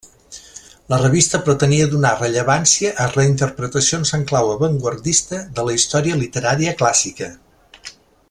La revista pretenia donar rellevància a reinterpretacions en clau avantguardista de la història literària clàssica.